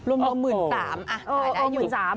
โอ้โหโอ้หมื่นสาม